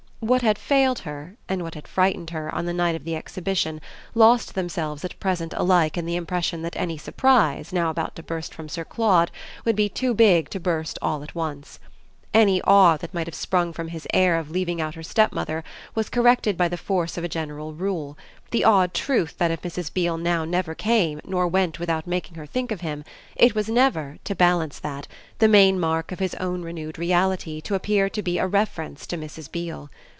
What had failed her and what had frightened her on the night of the Exhibition lost themselves at present alike in the impression that any "surprise" now about to burst from Sir Claude would be too big to burst all at once. Any awe that might have sprung from his air of leaving out her stepmother was corrected by the force of a general rule, the odd truth that if Mrs. Beale now never came nor went without making her think of him, it was never, to balance that, the main mark of his own renewed reality to appear to be a reference to Mrs. Beale.